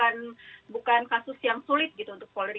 ini bukan kasus yang sulit gitu untuk polri